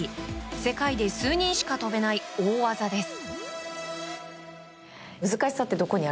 世界で数人しか飛べない大技です。